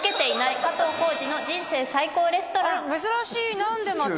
珍しい何でまた？